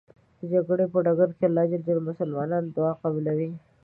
د جګړې په ډګر الله ج د مسلمان دعا قبلوی .